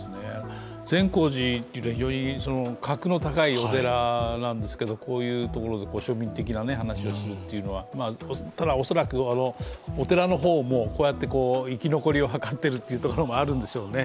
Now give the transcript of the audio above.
善光寺というのは非常に格の高いお寺なんですけど、こういうところで庶民的な話をするというのは、恐らくお寺の方もこうやって生き残りを図っているというのもあるんでしょうね。